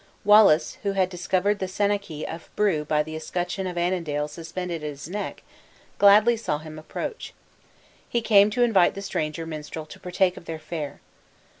Wallace, who had discovered the senachie of Brue by the escutcheon of Annandale suspended at his neck, gladly saw him approach. He came to invite the stranger minstrel to partake of their fare.